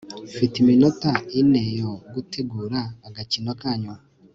mufite iminota ineyo gutegura agakino kanyu